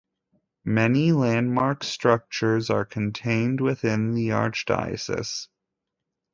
Many landmark structures are contained within the archdiocese.